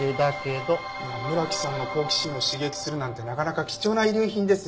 村木さんの好奇心を刺激するなんてなかなか貴重な遺留品ですね。